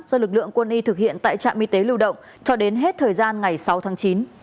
do lực lượng quân y thực hiện tại trạm y tế lưu động cho đến hết thời gian ngày sáu tháng chín